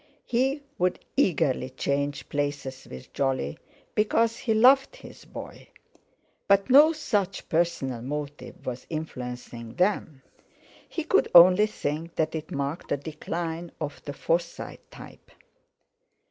He would eagerly change places with Jolly, because he loved his boy; but no such personal motive was influencing them. He could only think that it marked the decline of the Forsyte type.